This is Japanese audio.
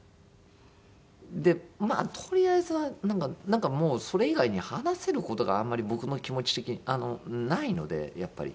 でとりあえずはなんかもうそれ以外に話せる事があんまり僕の気持ち的にないのでやっぱり。